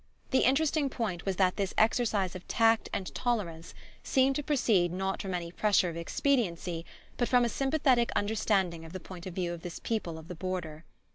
The interesting point was that this exercise of tact and tolerance seemed to proceed not from any pressure of expediency but from a sympathetic understanding of the point of view of this people of the border.